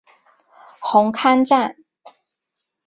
红磡站。